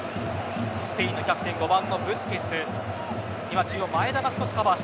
スペインのキャプテン５番のブスケツ。